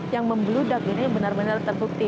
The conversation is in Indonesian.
yang membeludak ini benar benar terbukti